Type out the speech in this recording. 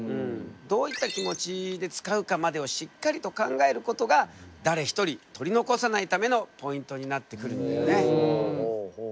どういった気持ちで使うかまでをしっかりと考えることが誰ひとり取り残さないためのポイントになってくるんだよね。